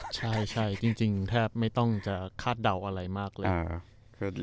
ใช่จริงแทบไม่ต้องจะคาดเดาอะไรมากเลย